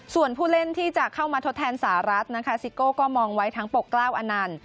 ส่วนผู้เล่นที่จะเข้ามาทดแทนสหรัฐนะคะซิโก้ก็มองไว้ทั้งปกกล้าวอนันต์